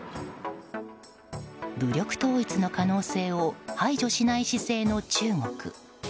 武力統一の可能性を排除しない姿勢の中国。